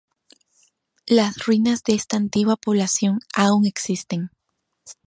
Las ruinas de esta antigua población aún existen.